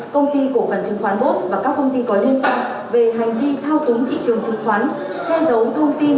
công ty cổ phần chứng khoán bos và các công ty có liên quan về hành vi thao túng thị trường chứng khoán